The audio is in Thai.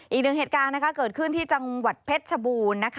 อีกหนึ่งเหตุการณ์เกิดขึ้นที่จังหวัดเพชรชบูรณ์